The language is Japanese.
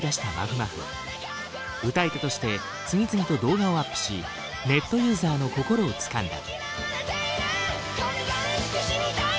歌い手として次々と動画をアップしネットユーザーの心をつかんだ。